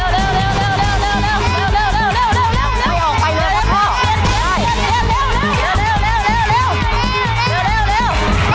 เร็วเร็ว